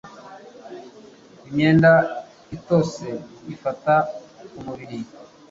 Imyenda itose ifata kumubiri